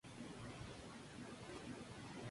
En honor a su esposa, llamó al poblado "Lastenia Pujol".